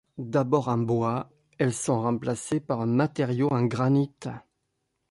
D'abord en bois, elles sont remplacées par un matériau en granit.